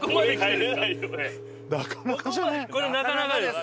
これなかなかです